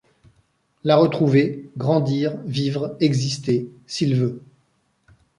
La retrouver ; grandir ; vivre, exister, s’il veut !